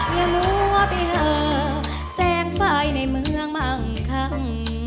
อย่ามัวไปหาแสงไฟในเมืองมั่งคั่ง